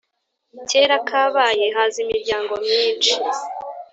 kera kabaye haza imiryango myishi